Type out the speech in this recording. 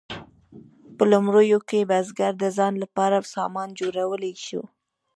په لومړیو کې بزګر د ځان لپاره سامان جوړولی شو.